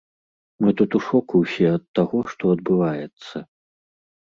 Мы тут у шоку ўсе ад таго, што адбываецца.